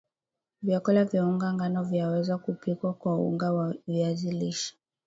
vyakula vya unga ngano vyaweza kupikwa kwa unga wa viazi lishe